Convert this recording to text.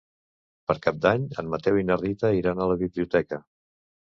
Per Cap d'Any en Mateu i na Rita iran a la biblioteca.